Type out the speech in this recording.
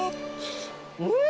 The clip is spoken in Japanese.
うん！